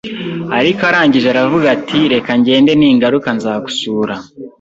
ariko arangije aravuga ati reka ngende ningaruka nzagusura